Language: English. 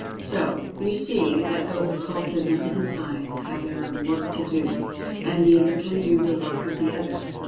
So, you see that both Occultism and Science have their own work to do—and neither can do the work of the other.